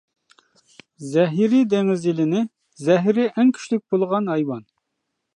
زەھىرى دېڭىز يىلىنى زەھىرى ئەڭ كۈچلۈك بولغان ھايۋان.